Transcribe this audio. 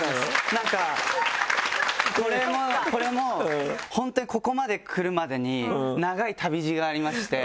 なんかこれも本当にここまでくるまでに長い旅路がありまして。